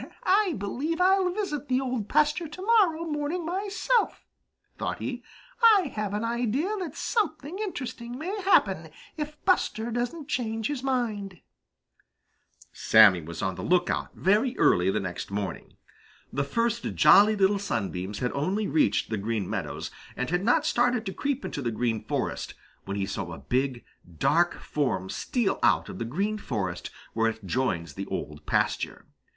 "I believe I'll visit the Old Pasture to morrow morning myself," thought he. "I have an idea that something interesting may happen if Buster doesn't change his mind." Sammy was on the lookout very early the next morning. The first Jolly Little Sunbeams had only reached the Green Meadows and had not started to creep into the Green Forest, when he saw a big, dark form steal out of the Green Forest where it joins the Old Pasture.